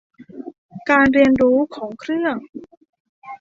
การเรียนรู้ของเครื่อง